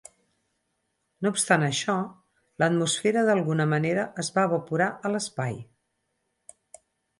No obstant això, l'atmosfera d'alguna manera es va evaporar a l'espai.